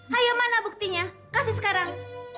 hayo mana buktinya kasih sekarang